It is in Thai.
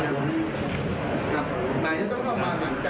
ยังไม่มีฝ่ายกล้อง